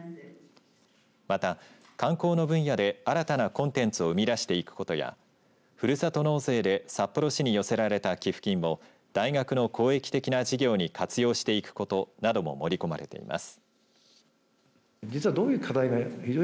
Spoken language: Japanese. また、観光の分野で新たなコンテンツを生み出していくことやふるさと納税で札幌市に寄せられた寄付金を大学の公益的な事業に活用していくことなども盛り込まれています。